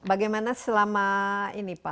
bagaimana selama ini pak